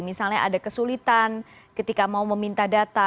misalnya ada kesulitan ketika mau meminta data